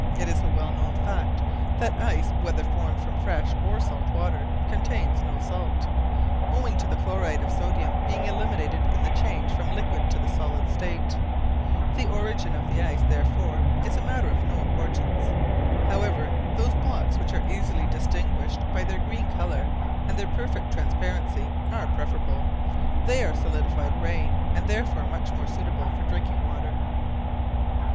It is a well known fact that ice, whether formed from fresh or salt water, contains no salt, owing to the chloride of sodium being eliminated in the change from the liquid to the solid state. The origin of the ice, therefore, is a matter of no importance. However, those blocks which are easily distinguished by their greenish colour and their perfect transparency are preferable. They are solidified rain, and therefore much more suitable for drinking water.